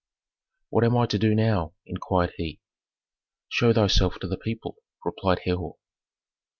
"What am I to do now?" inquired he. "Show thyself to the people," replied Herhor.